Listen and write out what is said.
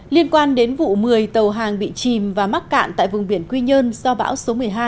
liên quan đến vụ một mươi tàu hàng bị chìm và mắc cạn tại vùng biển quy nhơn do bão số một mươi hai